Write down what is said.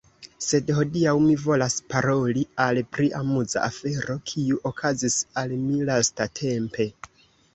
Sed hodiaŭ mi volas paroli al pri amuza afero, kiu okazis al mi lastatempe.